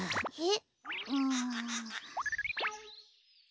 えっ？